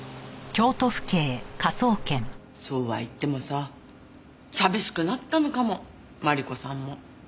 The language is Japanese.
そうは言ってもさ寂しくなったのかもマリコさんも。